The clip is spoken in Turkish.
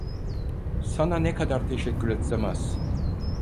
Sana ne kadar teşekkür etsem az.